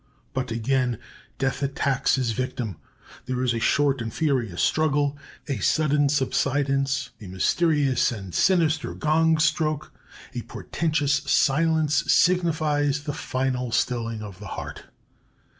But again Death attacks his victim. There is a short and furious struggle, a sudden subsidence, a mysterious and sinister gong stroke; a portentous silence signifies the final stilling of the heart.